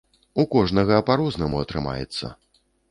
У кожнага па-рознаму атрымаецца.